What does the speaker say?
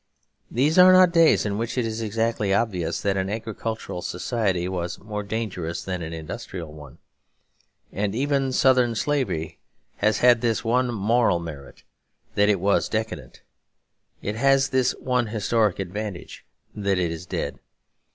These are not days in which it is exactly obvious that an agricultural society was more dangerous than an industrial one. And even Southern slavery had this one moral merit, that it was decadent; it has this one historic advantage, that it is dead.